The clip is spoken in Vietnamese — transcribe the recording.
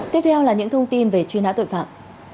tiếp theo là những thông tin về truy nã tội phạm